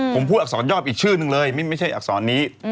ผมพูดอักษรยอบอีกชื่อนึงเลยไม่ใช่อักษรนี้